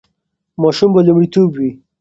ماشومان به لومړیتوب وي.